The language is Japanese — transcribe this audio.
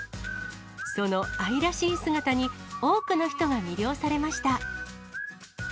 その愛らしい姿に、多くの人が魅了されました。